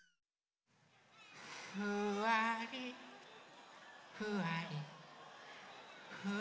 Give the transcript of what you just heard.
「ふわりふわりふわり」